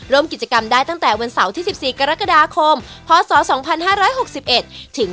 ร่วมกิจกรรมได้ตั้งแต่วันเสาร์ที่๑๔กรกฎาคมพศ๒๕๖๑ถึง